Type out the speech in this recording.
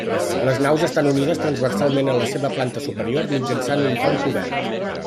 Les naus estan unides transversalment en la seva planta superior mitjançant un pont cobert.